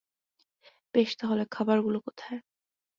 বেশ তাহলে, খাবার গুলো কোথায়।